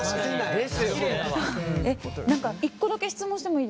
何か１個だけ質問してもいいですか？